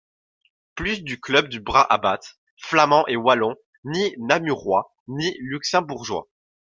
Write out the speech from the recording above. Plus de club du Brabant flamand et wallon, ni namurois, ni luxembourgeois.